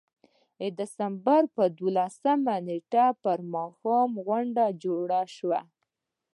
د ډسمبر د دولسمې نېټې پر ماښام غونډه جوړه شوه.